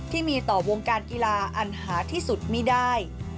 ที่มีต่อวงการกีฬาอันหาที่สุดไม่ได้